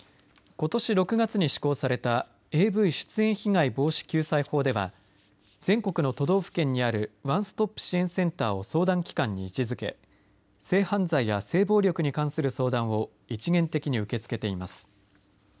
ことし６月に施行されたＡＶ出演被害防止・救済法では全国の都道府県にあるワンストップ支援センターを相談機関に位置づけ性犯罪や性暴力に関する相談を一元的に受け付けています。